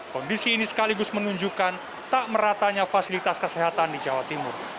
kondisi ini sekaligus menunjukkan tak meratanya fasilitas kesehatan di jawa timur